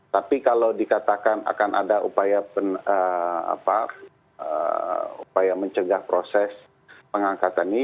tapi kalau dikatakan akan ada upaya mencegah proses pengangkatan ini